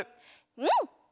うん！